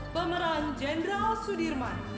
pemeran general sudirman